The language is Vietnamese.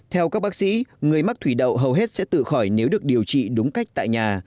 theo các bác sĩ người mắc thủy đậu hầu hết sẽ tự khỏi nếu được điều trị đúng cách tại nhà